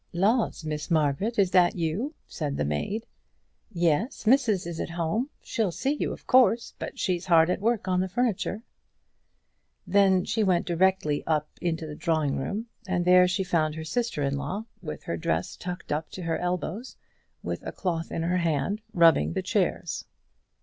"Laws, Miss Margaret! is that you?" said the maid. "Yes, missus is at home. She'll see you, of course, but she's hard at work on the furniture." Then she went directly up into the drawing room and there she found her sister in law, with her dress tucked up to her elbows, with a cloth in her hand, rubbing the chairs.